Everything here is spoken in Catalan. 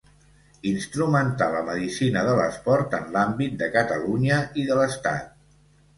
Instrumentà la medicina de l’esport en l’àmbit de Catalunya i de l’Estat.